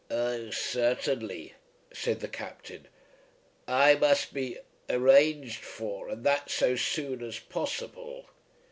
"Oh, certainly," said the Captain. "I must be arranged for, and that so soon as possible."